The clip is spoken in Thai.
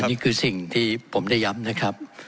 นี่คือสิ่งที่ผมได้ย้ำนะครับ